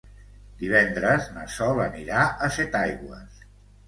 Divendres na Sol anirà a Setaigües.